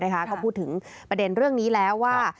ก็พูดถึงประเด็นเรื่องนี้แล้วว่า